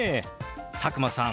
佐久間さん